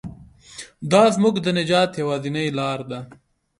دا زموږ د نجات یوازینۍ لاره ده.